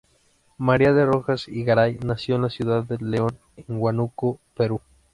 María de Rojas y Garay nació en la ciudad de León de Huánuco, Perú.